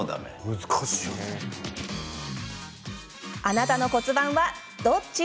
あなたの骨盤は、どっち？